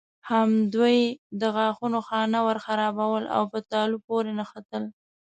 همدوی د غاښونو خانه ورخرابول او په تالو پورې نښتل.